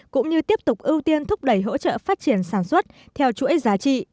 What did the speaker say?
cũng như tiếp tục ưu tiên thúc đẩy hỗ trợ phát triển sản xuất theo chuỗi giá trị